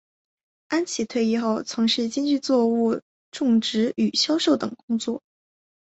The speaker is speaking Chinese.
安琦退役后从事经济作物种植与销售等工作。